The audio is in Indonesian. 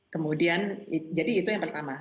kemudian jadi itu yang pertama